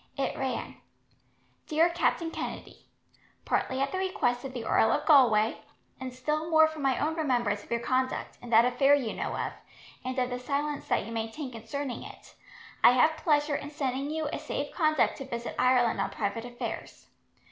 It ran: Dear Captain Kennedy: Partly at the request of the Earl of Galway, and still more from my own remembrance of your conduct, in that affair you know of, and of the silence that you maintained concerning it, I have pleasure in sending you a safe conduct to visit Ireland on private affairs.